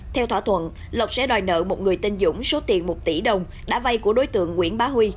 theo thỏa thuận lộc sẽ đòi nợ một người tên dũng số tiền một tỷ đồng đã vay của đối tượng nguyễn bá huy